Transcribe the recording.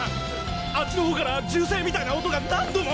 ・あっちの方から銃声みたいな音が何度も。